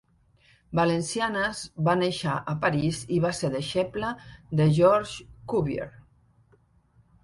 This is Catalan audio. Valenciennes va néixer a París i va ser deixeble de Georges Cuvier.